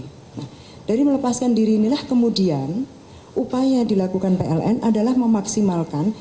nah dari melepaskan diri inilah kemudian upaya dilakukan pln adalah memaksimalkan